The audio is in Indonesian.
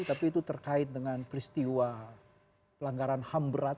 tapi itu terkait dengan peristiwa pelanggaran ham berat